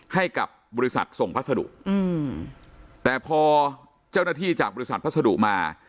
ให้กับบริษัทส่งพัสดุอืมแต่พอเจ้าหน้าที่จากบริษัทพัสดุมา